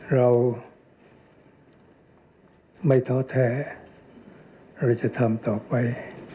เราไม่ท้อแท้เราจะทำต่อไป